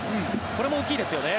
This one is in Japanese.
これも大きいですよね。